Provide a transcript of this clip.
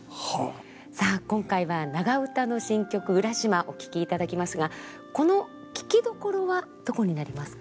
さあ今回は長唄の「新曲浦島」お聴きいただきますがこの聴きどころはどこになりますか？